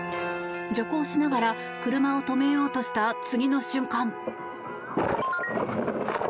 徐行しながら車を止めようとした次の瞬間。